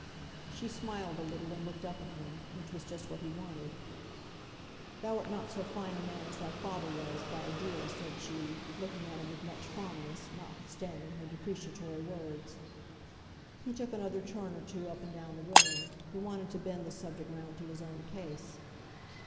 She smiled a little, and looked up at him, which was just what he wanted. "Thou'rt not so fine a man as thy father was, by a deal!" said she, looking at him with much fondness, notwithstanding her depreciatory words. He took another turn or two up and down the room. He wanted to bend the subject round to his own case.